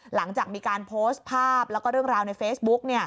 หลังจากมีการโพสต์ภาพแล้วก็เรื่องราวในเฟซบุ๊ก